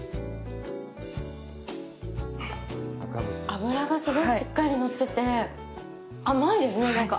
脂がすごいしっかり乗ってて甘いですね、なんか。